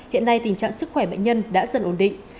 hiện nay tình trạng sức khỏe bệnh nhân đã dần ổn định